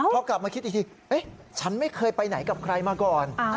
พอกลับมาคิดอีกทีฉันไม่เคยไปไหนกับใครมาก่อน